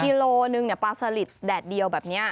กิโลนึงเนี่ยปลาสลิดดแดดเดียวแบบเนี่ย